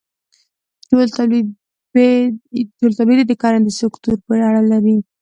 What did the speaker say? ټول تولید یې د کرنې سکتور پورې اړه لري.